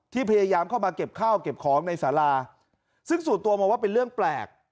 พยายามเข้ามาเก็บข้าวเก็บของในสาราซึ่งส่วนตัวมองว่าเป็นเรื่องแปลก